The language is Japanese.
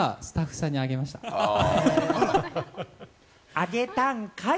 あげたんかい！